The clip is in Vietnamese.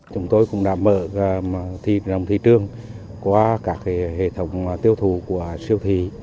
chúng tôi cũng đã mở thị trường qua các hệ thống tiêu thụ của siêu thị